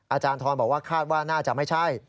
อาจารย์ทรบอกว่าคาดว่าน่าจะไม่ใช่